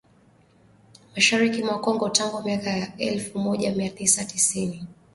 mashariki mwa Kongo tangu miaka ya elfu moja mia tisa tisini